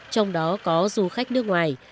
trong đó có du khách nước ngoài